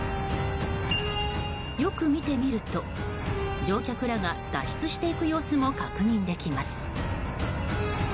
よく見てみると乗客らが脱出していく様子も確認できます。